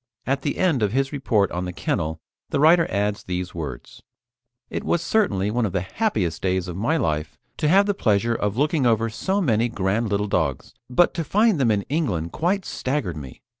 At the end of his report on the kennel the writer adds these words: "It was certainly one of the happiest days of my life to have the pleasure of looking over so many grand little dogs, but to find them in England quite staggered me.